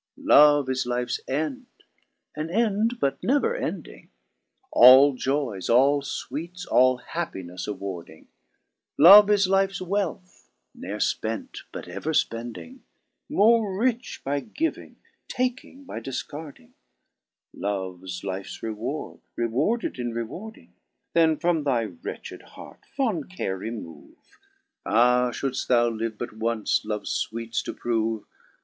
8. " Love is lifes end, {an end, but never ending) AlljoyeSy allfweetes, all happineffe, awarding; Love is lifers wealth {nerefpent, but ever /pending) More rich by giving, taking by difcarding ; Lovers lifes reward, rewarded in rewarding: Then, from thy wretched heart fond care remove ; Ah ! fhouldft thou live but once loves fweetes to proove.